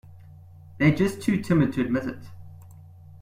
They're just too timid to admit it.